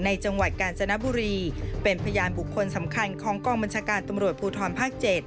จังหวัดกาญจนบุรีเป็นพยานบุคคลสำคัญของกองบัญชาการตำรวจภูทรภาค๗